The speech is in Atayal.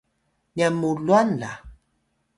nyan mu lwan la